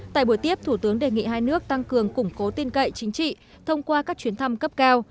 tại buổi tiếp thủ tướng đề nghị hai nước tăng cường củng cố tin cậy chính trị thông qua các chuyến thăm cấp cao